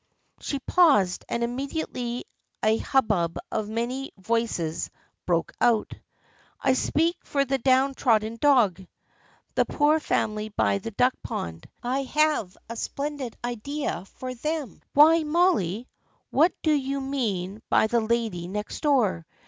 She paused, and immediately a hubbub of many voices broke out. " I speak for the down trodden dog !"" The poor family by the Duck Pond ! I have a splendid idea for them !"" Why, Molly, what do you mean by the lady next door?